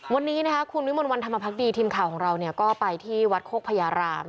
วันนี้นะครับครูวิมวรวรรณธรรมภัคดีทีมข่าวของเราเนี่ยก็ไปที่วัดโคกพญาราม